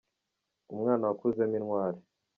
Umwana wakuzemo Intwali.